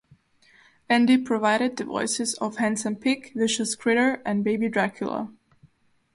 Andy provided the voices of Handsome Pig, Vicious Critter and Baby Dracula.